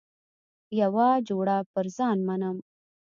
یوه جوړه پر ځان منم.